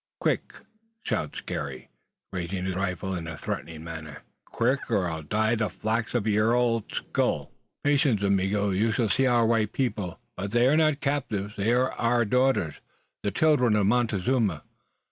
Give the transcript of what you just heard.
"Quick!" shouts Garey, raising his rifle in a threatening manner; "quick! or I'll dye the flax on yer old skull." "Patience, amigo! you shall see our white people; but they are not captives. They are our daughters, the children of Montezuma."